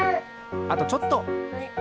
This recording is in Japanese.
あとちょっと。